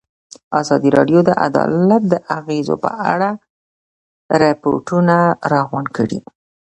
ازادي راډیو د عدالت د اغېزو په اړه ریپوټونه راغونډ کړي.